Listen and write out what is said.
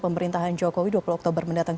pemerintahan jokowi dua puluh oktober mendatang